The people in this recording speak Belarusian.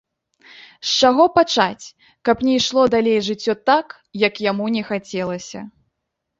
З чаго пачаць, каб не ішло далей жыццё так, як яму не хацелася?